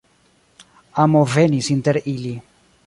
Amo venis inter ili.